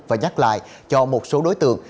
và nhắc lại cho một số đối tượng